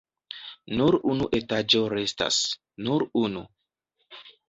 Nur unu etaĝo restas! Nur unu.